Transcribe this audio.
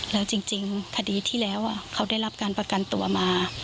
แล้วจริงคดีที่แล้วเขาได้รับการประกันตัวมา